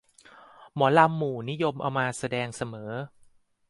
หมอลำหมู่นิยมเอามาแสดงเสมอ